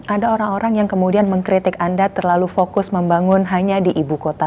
ada orang orang yang kemudian mengkritik anda terlalu fokus membangun hanya di ibu kota